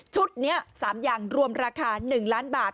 ชุดนี้๓อย่างรวมราคา๑ล้านบาท